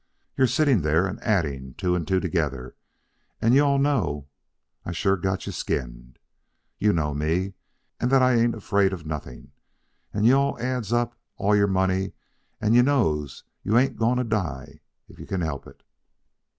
You're sitting there and adding two and two together, and you all know I sure got you skinned. You know me, and that I ain't afraid of nothing. And you all adds up all your money and knows you ain't a going to die if you can help it."